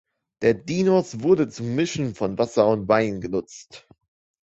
Der Dinos wurde zum Mischen von Wasser und Wein genutzt.